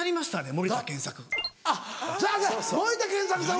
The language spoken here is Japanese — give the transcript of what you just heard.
森田健作さん